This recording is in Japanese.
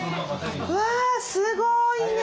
うわすごいね！